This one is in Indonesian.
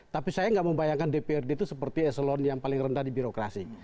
tapi saya nggak membayangkan dprd itu seperti eselon yang paling rendah di birokrasi